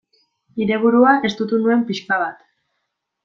Nire burua estutu nuen pixka bat.